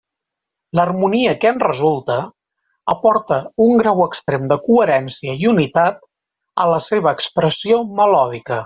L'harmonia que en resulta aporta un grau extrem de coherència i unitat a la seva expressió melòdica.